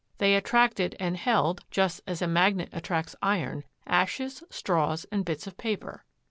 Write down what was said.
They attracted and held (just as a magnet attracts iron) ashes, straws and bits of paper.